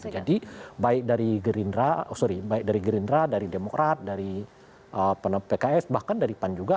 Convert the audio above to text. jadi baik dari gerindra dari demokrat dari pks bahkan dari pan juga